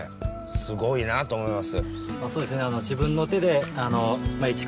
すごいなと思います。